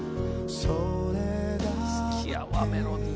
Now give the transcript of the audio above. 好きやわ『メロディー』。